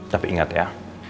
tapi ingat ya